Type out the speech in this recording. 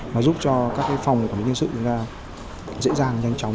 nó giúp cho các phòng quản lý nhân sự dễ dàng nhanh chóng